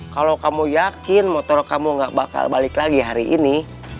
kalau kamu yakin motor kamu gak bakal balik lagi hari ini